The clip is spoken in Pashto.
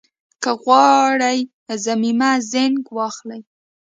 که غواړئ ضمیمه زېنک واخلئ